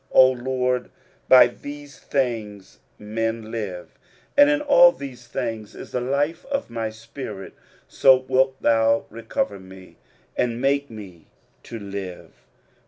23:038:016 O LORD, by these things men live, and in all these things is the life of my spirit: so wilt thou recover me, and make me to live.